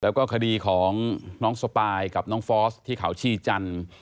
แล้วก็คดีของน้องสปายกับน้องฟอสที่เขาชี่จันทร์